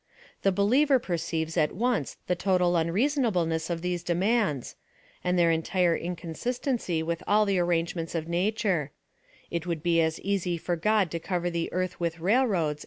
The believer perceives at once the total unreasonableness of these demands, and their entire inconsistency with all the arrangements of nature, il would be as onsv for G^d to cover the earth with rail INTRODUCTION. *6'd roads a?